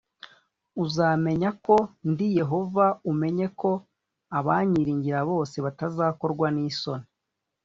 Uzamenya ko ndi Yehova, umenye ko abanyiringira bose batazakorwa n’ isoni